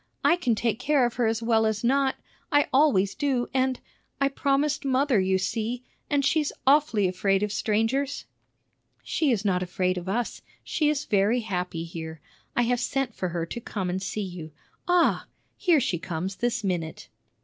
I can take care of her as well as not; I always do; and I promised mother, you see; and she's awfully afraid of strangers." "She is not afraid of us; she is very happy here. I have sent for her to come and see you. Ah, here she comes this minute!"